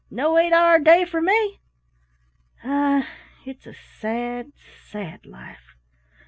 No eight hour day for me. Ah, it's a sad, sad life!"